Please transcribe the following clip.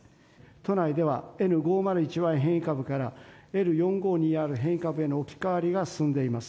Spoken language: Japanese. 都内ではＮ５０１Ｙ変異株から、Ｌ４５２Ｒ変異株への置き換わりが進んでいます。